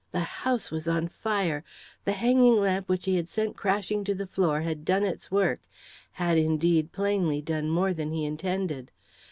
The house was on fire! The hanging lamp which he had sent crashing to the floor had done its work had, indeed, plainly, done more than he intended.